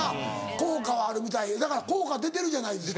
効果はあるみたいよだから効果出てるじゃないですか。